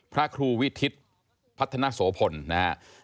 พระครูวิทิศพัฒนโสพลนะครับ